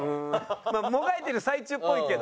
まあもがいてる最中っぽいけど。